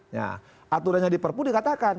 ya aturannya di perpu dikatakan